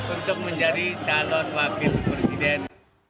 untuk menjadi calon wakil presiden